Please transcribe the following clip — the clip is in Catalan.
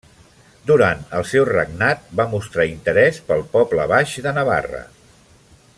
Durant el seu regnat va mostrar interès pel poble baix de Navarra.